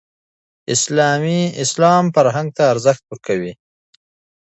اسلام فرهنګ ته ارزښت ورکوي.